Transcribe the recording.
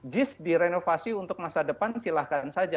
jis direnovasi untuk masa depan silahkan saja